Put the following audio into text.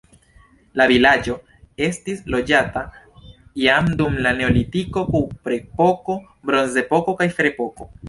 La vilaĝo estis loĝata jam dum la neolitiko, kuprepoko, bronzepoko kaj ferepoko.